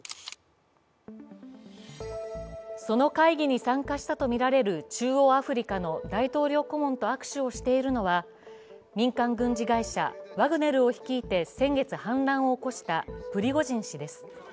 その会議に参加したとみられる中央アフリカの大統領顧問と握手をしているのは民間軍事会社ワグネルを率いて先月、反乱を起こしたプリゴジン氏です。